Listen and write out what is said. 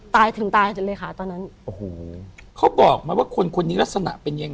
ตายถึงตายเลยค่ะตอนนั้น